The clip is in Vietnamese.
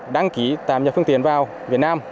đăng ký tạm nhập phương tiện vào việt nam